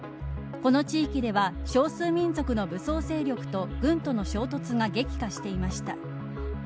この地域では少数民族の武将勢力と軍との衝突が激化していました。